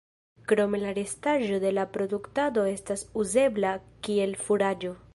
Krome la restaĵo de la produktado estas uzebla kiel furaĝo.